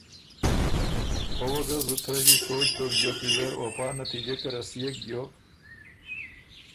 او وه ګۀ زُت رݫي سوچ دوک بیوک ویزر او پا نتیجه کی رسيېک بیوک